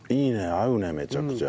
合うねめちゃくちゃ。